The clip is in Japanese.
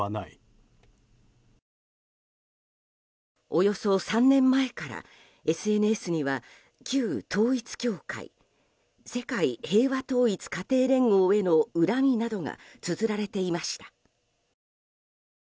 およそ３年前からＳＮＳには旧統一教会・世界平和統一家庭連合への恨みなどがつづられていました。